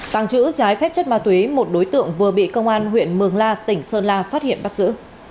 tàng trữ trái phép chất ma túy một đối tượng vừa bị công an huyện mường la tỉnh sơn la phát hiện bắt giữ